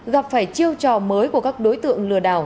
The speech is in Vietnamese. gặp phải chiêu trò mới của các đối tượng lừa đảo